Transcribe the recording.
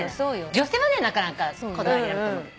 女性はねなかなかこだわりあると思うけど。